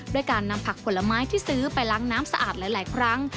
ด้วยการนำผักผลไม้ที่ซื้อไปล้างน้ำสะอาดหลายครั้ง